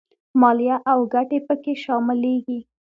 مالیه او ګټې په کې شاملېږي